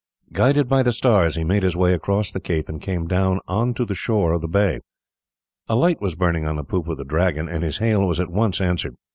Guided by the stars he made his way across the cape and came down on to the shore of the bay. A light was burning on the poop of the Dragon, and his hail was at once answered.